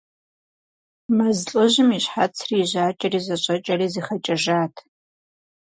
Мэз лӏыжьым и щхьэцри и жьакӏэри зэщӏэкӏэри зыхэкӏэжат.